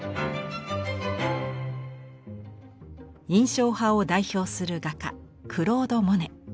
印象派を代表する画家クロード・モネ。